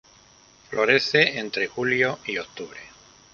Florece entre julio y octubre.